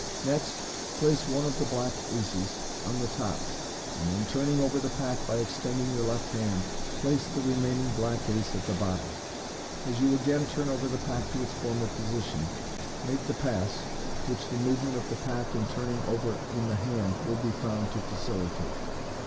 Next place one of the black aces on the top, and then turning over the pack by extending your left hand, place the remaining black ace at the bottom. As you again turn over the pack to its former position, make the pass, which the movement of the pack in turning over in the hand will be found to facilitate.